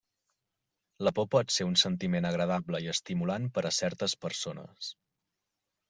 La por pot ser un sentiment agradable i estimulant per a certes persones.